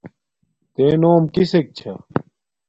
تݺ نݸم کِسݵک چھݳ؟